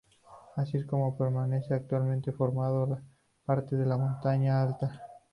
Así es como permanece actualmente, formando parte de la Moraña Alta.